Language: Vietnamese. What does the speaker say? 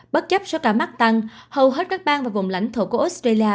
bất chấp soka mắc tăng hầu hết các bang và vùng lãnh thổ của australia